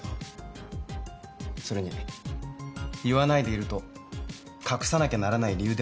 それに言わないでいると隠さなきゃならない理由でもあるのかなって。